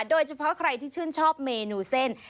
โดยเฉพาะใครที่ชื่นชอบเมนูเส้น